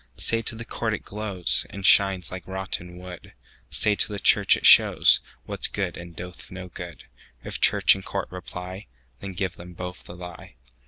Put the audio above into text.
Say to the court, it glowsAnd shines like rotten wood; Say to the church, it showsWhat's good, and doth no good:If church and court reply, Then give them both the lie.